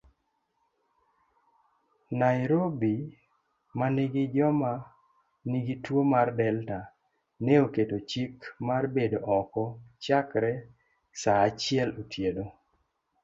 Nairobi manigi joma nigi tuo mar Delta, neoketo chik marbedo oko chakre saachiel otieno.